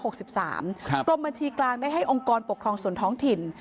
กรมบัญชีกลางได้ให้องค์กรปกครองส่วนท้องถิ่น